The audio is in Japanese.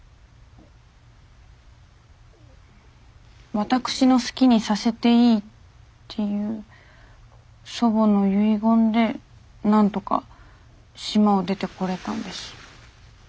私の好きにさせていいっていう祖母の遺言でなんとか島を出てこれたんです。